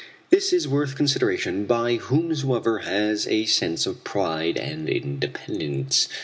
This is worth consideration by whomsoever has a sense of pride and independence.